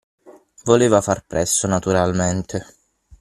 Voleva far presto, naturalmente.